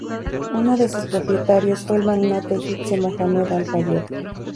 Uno de sus propietarios fue el magnate egipcio Mohamed Al-Fayed.